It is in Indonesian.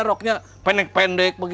buat apa kok